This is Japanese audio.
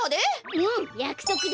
うんやくそくだ！